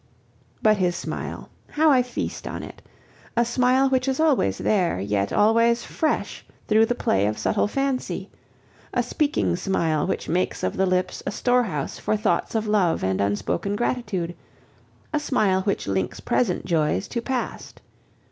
But his smile how I feast on it! A smile which is always there, yet always fresh through the play of subtle fancy, a speaking smile which makes of the lips a storehouse for thoughts of love and unspoken gratitude, a smile which links present joys to past.